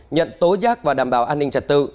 nhận tố giác và đảm bảo an ninh trật tự